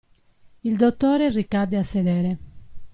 Il dottore ricadde a sedere.